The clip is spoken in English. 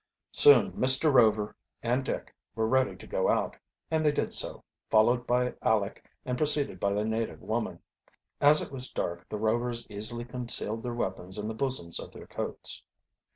Soon Mr. Rover and Dick were ready to go out, and they did so, followed by Aleck and preceded by the native woman. As it was dark the Rovers easily concealed their weapons in the bosoms of their coats.